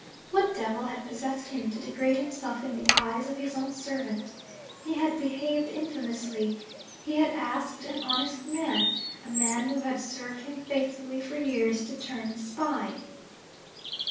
What devil had possessed him to degrade himself in the eyes of his own servant? He had behaved infamously he had asked an honest man, a man who had served him faithfully for years, to turn spy!